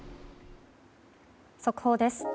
速報です。